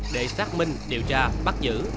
để xác minh điều tra bắt giữ